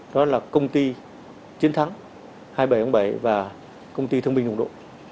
đó là công ty chiến thắng hai mươi bảy bảy và công ty thương bình hồng độ